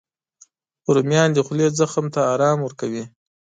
رومیان د خولې زخم ته ارام ورکوي